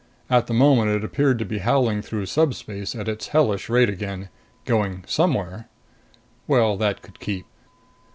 At the moment it appeared to be howling through subspace at its hellish rate again, going somewhere. Well, that could keep.